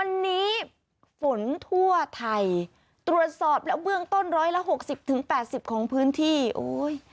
วันนี้ฝนทั่วไทยตรวจสอบแล้วเบื้องต้นร้อยละหกสิบถึงแปดสิบของพื้นที่โอ้ย